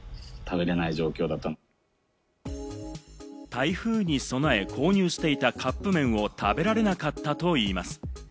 台風に備え、購入していたカップ麺を食べられなかったといいます。